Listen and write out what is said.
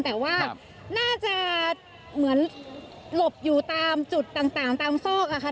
แต่ว่าน่าจะเหมือนหลบอยู่ตามจุดต่างตามซอกอะค่ะ